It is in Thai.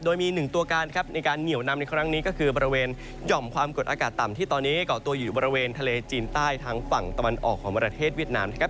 โดยมีหนึ่งตัวการครับในการเหนียวนำในครั้งนี้ก็คือบริเวณหย่อมความกดอากาศต่ำที่ตอนนี้เกาะตัวอยู่บริเวณทะเลจีนใต้ทางฝั่งตะวันออกของประเทศเวียดนามนะครับ